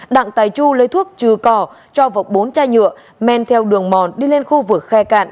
đặng tài chu lấy thuốc trừ cỏ cho vực bốn chai nhựa men theo đường mòn đi lên khu vực khe cạn